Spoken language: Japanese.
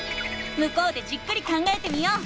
向こうでじっくり考えてみよう。